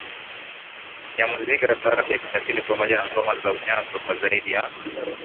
ya muziki wa taarab ya kiasili pamoja na ngoma za unyago kwa zaidi ya